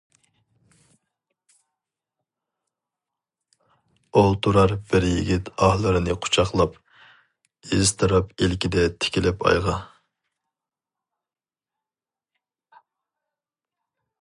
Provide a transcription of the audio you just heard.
ئولتۇرار بىر يىگىت ئاھلىرىنى قۇچاقلاپ، ئىزتىراپ ئىلكىدە تىكىلىپ ئايغا.